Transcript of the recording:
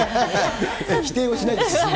否定はしないですね。